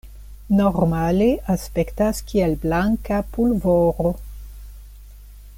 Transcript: Normale aspektas kiel blanka pulvoro.